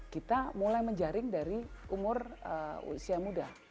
kita mulai menjaring dari umur usia muda